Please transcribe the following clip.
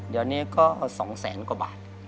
เดี๋ยวนี้ก็๒แสนกว่าบาท